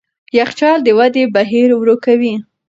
یخچال د ودې بهیر ورو کوي.